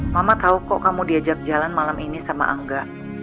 mama tahu kok kamu diajak jalan malam ini sama angga